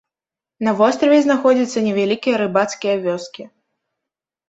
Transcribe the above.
На востраве знаходзяцца невялікія рыбацкія вёскі.